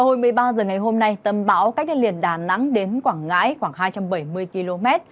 hồi một mươi ba h ngày hôm nay tâm báo cách đất liền đà nẵng đến quảng ngãi khoảng hai trăm bảy mươi km